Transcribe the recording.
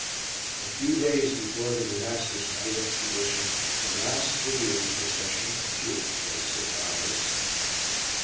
A few days before the disastrous night expedition the last figure in the procession appeared to those sick eyes.